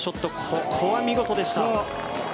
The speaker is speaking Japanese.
ここは見事でした。